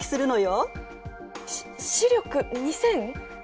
しっ視力２，０００！？